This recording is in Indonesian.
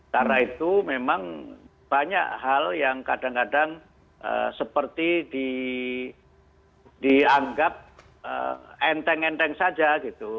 karena itu memang banyak hal yang kadang kadang seperti dianggap enteng enteng saja gitu